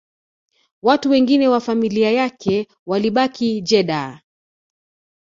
Watu wengine wa familia yake walibaki Jeddah